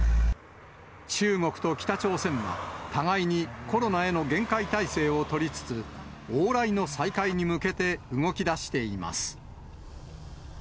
中国と北朝鮮は、互いにコロナへの厳戒態勢を取りつつ、往来の再開に向けて動きだしています。